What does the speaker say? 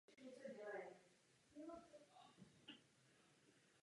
Tento čas věnoval odpočinku a hlavně svému dlouhodobému plánu na otevření muzea.